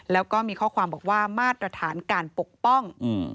แล้วก็มีข้อความบอกว่ามาตรฐานการปกป้อง